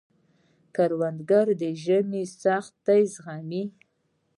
کروندګر د ژمي سختۍ زغمي